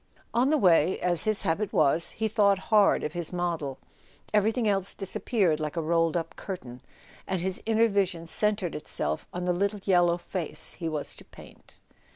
On the way, as his habit was, he thought hard of his model: everything else disappeared like a rolled up curtain, and his inner vision centred itself on the little yellow face he was to paint.